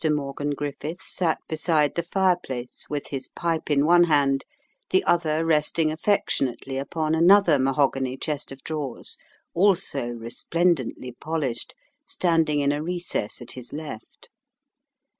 Mr. Morgan Griffiths sat beside the fireplace, with his pipe in one hand, the other resting affectionately upon another mahogany chest of drawers, also resplendently polished, standing in a recess at his left.